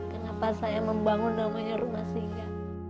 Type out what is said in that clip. kenapa saya membangun namanya rumah singga